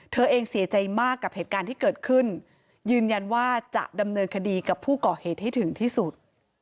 เธอเองเสียใจมากกับเหตุการณ์ที่เกิดขึ้นยืนยันว่าจะดำเนินคดีกับผู้ก่อเหตุให้ถึงที่สุด